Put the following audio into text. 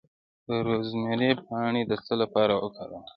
د روزمیری پاڼې د څه لپاره وکاروم؟